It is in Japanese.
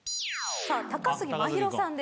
さあ高杉真宙さんです。